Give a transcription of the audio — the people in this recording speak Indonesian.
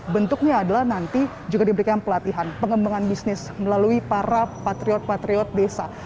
bentuknya adalah nanti juga diberikan pelatihan pengembangan bisnis melalui para patriot patriot desa